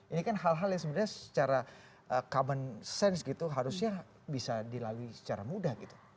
ini kan hal hal yang sebenarnya secara common sense gitu harusnya bisa dilalui secara mudah gitu